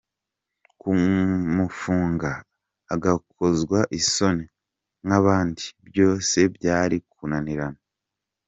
Kumufunga agakozwa isoni nk’abandi byo se byari kunanirana?